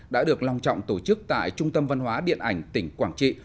đã được long trọng tổ chức tại trung tâm văn hóa điện ảnh tỉnh quảng trị